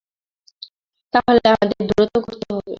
তাহলে, আমাদের দ্রুত করতে হবে।